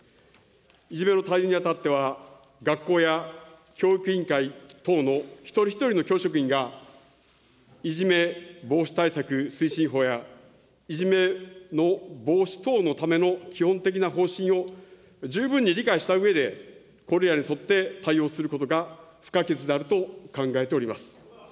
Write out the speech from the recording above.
いじめの対応に当たっては、学校や教育委員会等の一人一人の教職員が、いじめ防止対策推進法や、いじめの防止等のための基本的な方針を十分に理解したうえで、これらに沿って対応することが不可欠であると考えております。